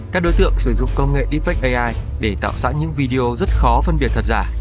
các đối tượng sử dụng công nghệ deepfake ai để tạo sẵn những video rất khó phân biệt thật giả